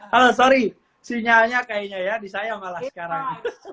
halo sorry sinyalnya kayaknya ya disayang malah sekarang